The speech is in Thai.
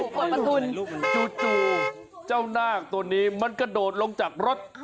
คุณจู่เจ้านาคตัวนี้มันกระโดดลงจากรถ